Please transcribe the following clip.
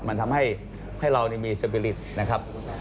มันทำให้ให้เรานี่มีสภิษฐ์นะครับ